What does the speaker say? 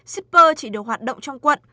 shipper chỉ được hoạt động trong quận